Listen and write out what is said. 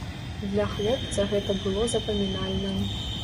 Для хлопца гэта было запамінальна.